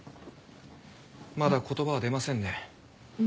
まだ言葉は出ませんね。